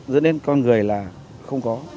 dẫn đến con người là không có